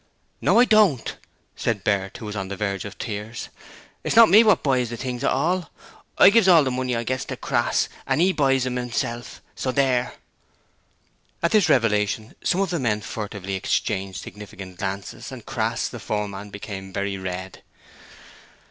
'No, I don't!' said Bert, who was on the verge of tears. 'It's not me wot buys the things at all. I gives the money I gets to Crass, and 'e buys them 'imself, so there!' At this revelation, some of the men furtively exchanged significant glances, and Crass, the foreman, became very red.